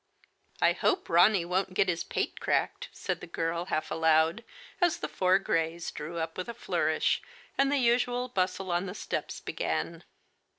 " I hope Ronny won't get his pate cracked," said the girl, half aloud, as the four grays drew up with a flourish, and the usual bustle on the steps began.